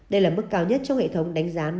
đây là mức cao nhất trong hệ thống đánh giá